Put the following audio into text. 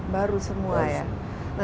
baru semua ya